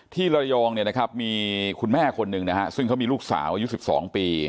ที่ระยองมีคุณแม่คนหนึ่งซึ่งเขามีลูกสาวอายุ๑๒ปี